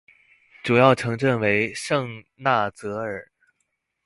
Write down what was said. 主要城镇为圣纳泽尔。